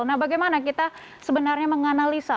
nah bagaimana kita sebenarnya menganalisa